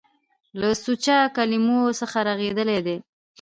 له سوچه کلمو څخه رغېدلي دي.